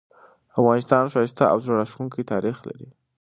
افغانستان ښایسته او زړه راښکونکې تاریخ لري